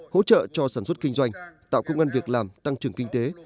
hỗ trợ cho sản xuất kinh doanh tạo công an việc làm tăng trưởng kinh tế